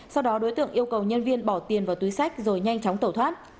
sau đó đối tượng yêu cầu nhân viên bỏ tiền vào túi sách rồi nhanh chóng tẩu thoát